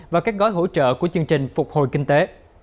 và các gói hỗ trợ của chương trình phục hồi kinh tế